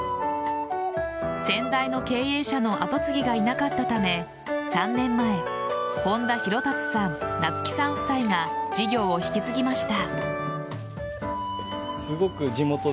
先代の経営者の後継ぎがいなかったため３年前本田大竜さん、夏生さん夫妻が事業を引き継ぎました。